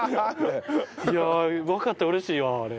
いやわかったら嬉しいわあれ。